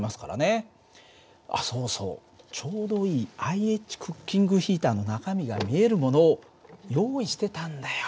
あっそうそうちょうどいいＩＨクッキングヒーターの中身が見えるものを用意してたんだよ。